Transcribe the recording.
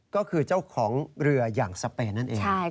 ก็คือเจ้าของเรืออย่างสเปนนั่นเอง